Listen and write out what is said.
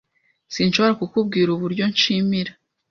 Sinshobora kukubwira uburyo nshimira.